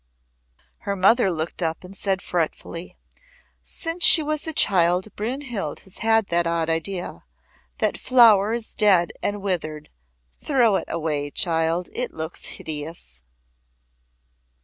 Her mother looked up and said fretfully: "Since she was a child Brynhild has had that odd idea. That flower is dead and withered. Throw it away, child. It looks hideous."